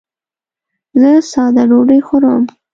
زه ساده ډوډۍ خورم.